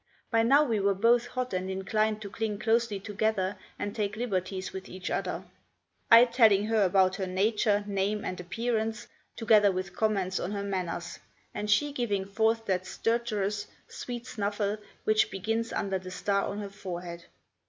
By now we were both hot and inclined to cling closely together and take liberties with each other; I telling her about her nature, name, and appearance, together with comments on her manners; and she giving forth that sterterous, sweet snuffle, which begins under the star on her forehead.